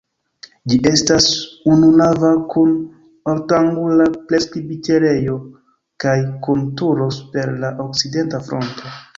Ĝi estas ununava kun ortangula presbiterejo kaj kun turo super la okcidenta fronto.